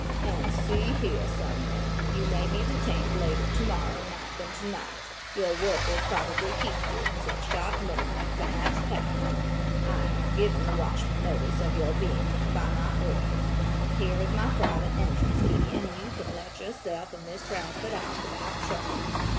"And, see here, Sumner, you may be detained later tomorrow night than tonight. Your work will probably keep you until sharp midnight, perhaps past. I have given the watchman notice of your being here by my orders. Here is my private entrance key and you can let yourself and Miss Bradford out without trouble.